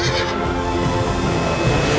assalamualaikum warahmatullahi wabarakatuh